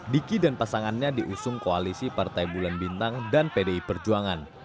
diki dan pasangannya diusung koalisi partai bulan bintang dan pdi perjuangan